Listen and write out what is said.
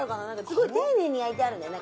すごい丁寧に焼いてあるんだよ